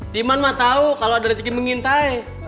diman mah tahu kalau ada rejeki mengintai